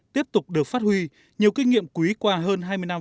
tiếp tục được phát huy nhiều kinh nghiệm quý qua hơn hai mươi năm